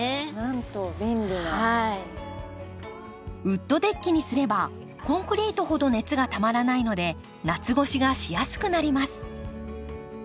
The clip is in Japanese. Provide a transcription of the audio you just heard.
ウッドデッキにすればコンクリートほど熱がたまらないので夏越しがしやすくなります。